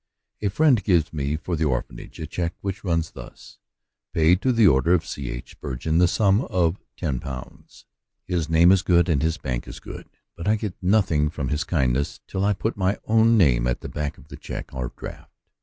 A friend gives me for the Orphanage a check, which runs thus, "Pay to the order of C. H. Spur geon, the sum of £\o'' His name is good, and his bank is good, but I get nothing from his kindness till I put my own name at the back of the check or draft.